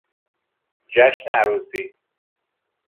جشن عروسی